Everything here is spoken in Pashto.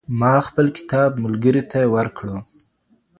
ما خپل کتاب ملګري ته ورکړ.